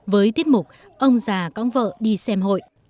với tiết mục ông già cõng vợ đi xem hội